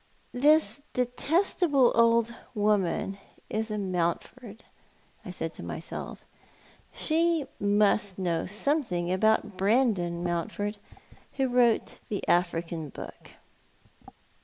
" This detestable old woman is a Mountford," I said to myself. " She must know something about Brandon Mount ford, who wrote the African book."